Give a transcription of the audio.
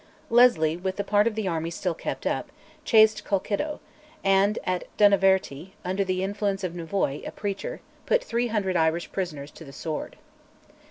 Leslie, with the part of the army still kept up, chased Colkitto, and, at Dunavertie, under the influence of Nevoy, a preacher, put 300 Irish prisoners to the sword.